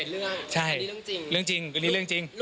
๑๑เรื่องอันนี้เรื่องจริง